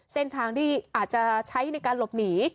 เส้นทางที่อาจจะใช้ในการหลบหนี